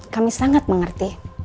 kami sangat mengerti